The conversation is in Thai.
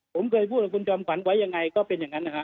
ผมเคยพูดกับคุณจอมขวัญไว้ยังไงก็เป็นอย่างนั้นนะฮะ